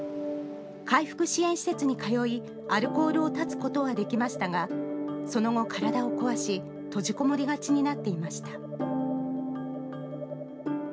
回復支援施設に通いアルコールを絶つことはできましたが、その後、体を壊し閉じこもりがちになっていました。